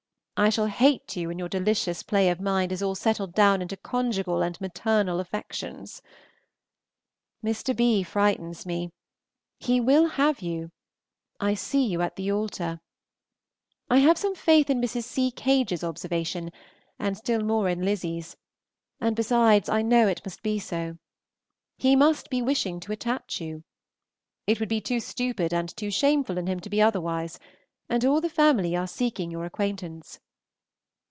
I shall hate you when your delicious play of mind is all settled down into conjugal and maternal affections. Mr. B frightens me. He will have you. I see you at the altar. I have some faith in Mrs. C. Cage's observation, and still more in Lizzy's; and besides, I know it must be so. He must be wishing to attach you. It would be too stupid and too shameful in him to be otherwise; and all the family are seeking your acquaintance.